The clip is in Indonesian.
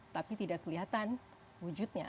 tapi tidak kelihatan wujudnya